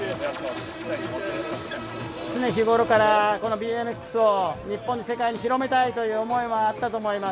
ＢＭＸを日本や世界に広めたいという思いがあったと思います。